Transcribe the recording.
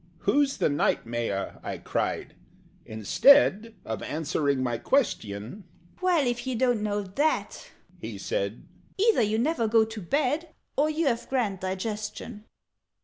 "Who's the Knight Mayor?" I cried. Instead Of answering my question, "Well! If you don't know that," he said, "Either you never go to bed, Or you've a grand digestion!